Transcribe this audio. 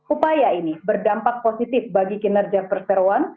upaya ini berdampak positif bagi kinerja perseroan